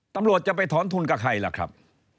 ตำรวจจะไปถอนทุนกับใครล่ะครับ